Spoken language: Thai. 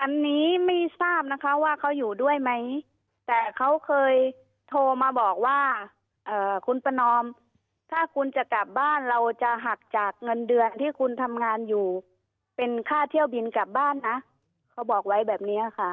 อันนี้ไม่ทราบนะคะว่าเขาอยู่ด้วยไหมแต่เขาเคยโทรมาบอกว่าคุณประนอมถ้าคุณจะกลับบ้านเราจะหักจากเงินเดือนที่คุณทำงานอยู่เป็นค่าเที่ยวบินกลับบ้านนะเขาบอกไว้แบบนี้ค่ะ